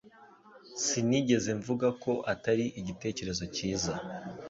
Sinigeze mvuga ko atari igitekerezo cyiza